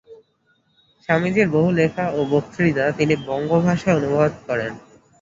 স্বামীজীর বহু লেখা ও বক্তৃতা তিনি বঙ্গভাষায় অনুবাদ করেন।